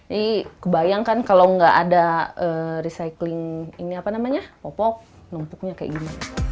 jadi bayangkan kalau nggak ada recycling ini apa namanya popok numpuknya kayak gini